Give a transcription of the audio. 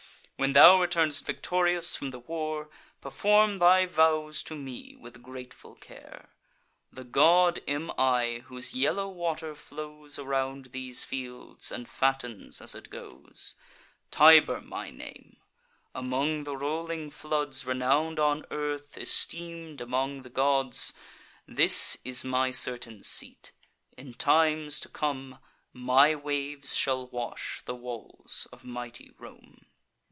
When thou return'st victorious from the war, Perform thy vows to me with grateful care. The god am I, whose yellow water flows Around these fields, and fattens as it goes: Tiber my name; among the rolling floods Renown'd on earth, esteem'd among the gods. This is my certain seat. In times to come, My waves shall wash the walls of mighty Rome."